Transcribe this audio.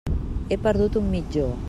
He perdut un mitjó.